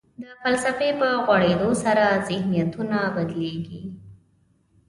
د فلسفې په غوړېدو سره ذهنیتونه بدلېږي.